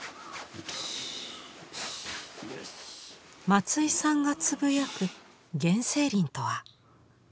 松井さんがつぶやく原生林とは。